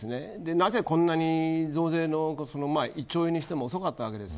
なぜ、こんなに増税の１兆円にしても遅かったわけです。